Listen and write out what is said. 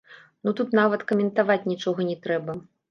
Ну тут нават каментаваць нічога не трэба!